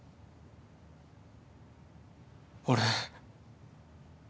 俺。